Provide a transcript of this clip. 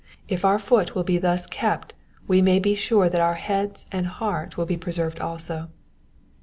If our foot will be thus kept we may be sure that our head and heart will be preserved also.